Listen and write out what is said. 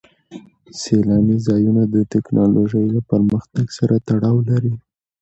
سیلاني ځایونه د تکنالوژۍ له پرمختګ سره تړاو لري.